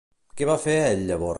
Què va fer ell llavors?